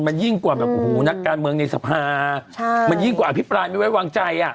มันยิ่งกว่าแบบโอ้โหนักการเมืองในสภาใช่มันยิ่งกว่าอภิปรายไม่ไว้วางใจอ่ะ